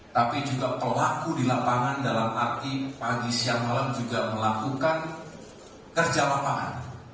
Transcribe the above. tapi juga pelaku di lapangan dalam arti pagi siang malam juga melakukan kerja lapangan